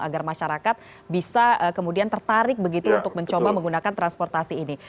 agar masyarakat bisa kemudian tertarik begitu untuk mencoba menggunakan transportasi ini